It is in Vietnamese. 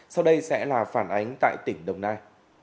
sau đây sẽ là phản ánh tại tỉnh đồng nai